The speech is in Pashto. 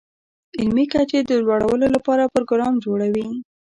علمي کچې د لوړولو لپاره پروګرام جوړوي.